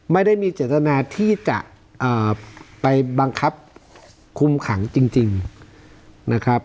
ไม่ได้มีเจตนาที่จะไปบังคับคุมขังจริงนะครับ